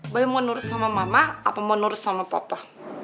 bayi mau nurus sama mama apa mau nurus sama papa